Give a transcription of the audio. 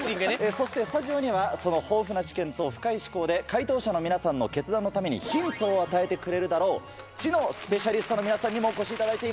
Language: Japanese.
そしてスタジオにはその豊富な知見と深い思考で解答者の皆さんの決断のためにヒントを与えてくれるだろう知のスペシャリストの皆さんにもお越しいただいています。